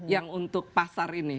yang untuk pasar ini